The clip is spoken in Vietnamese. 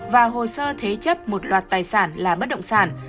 và hồ sơ thế chấp một loạt tài sản là bất động sản